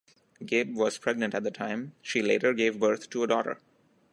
Gibb was pregnant at the time; she later gave birth to a daughter.